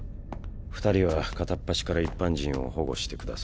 二人は片っ端から一般人を保護してください。